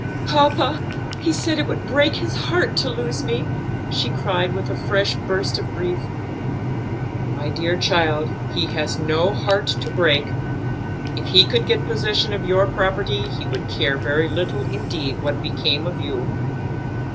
"Papa, he said it would break his heart to lose me," she cried with a fresh burst of grief. "My dear child, he has no heart to break. If he could get possession of your property, he would care very little indeed what became of you."